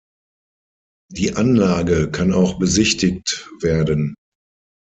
Die Anlage kann auch besichtigt werden.